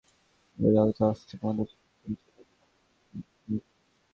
এদের ব্যবহৃত অস্ত্রের মধ্যে ছিল ছুরি, চাপাতি এবং হাতে তৈরি গ্রেনেড।